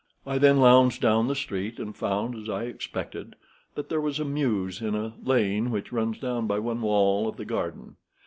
"I then lounged down the street, and found, as I expected, that there was a mews in a lane which runs down by one wall of the garden.